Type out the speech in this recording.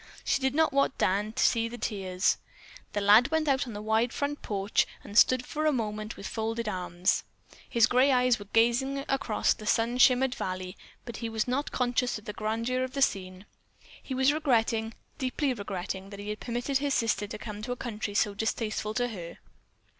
She did not want Dan to see the tears. The lad went out on the wide front porch and stood for a moment with folded arms, his gray eyes gazing across the sun shimmered valley, but he was not conscious of the grandeur of the scene. He was regretting, deeply regretting that he had permitted his sister to come to a country so distasteful to her.